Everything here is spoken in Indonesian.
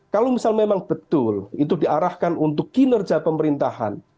kalau misal memang betul itu diarahkan untuk kinerja pemerintahan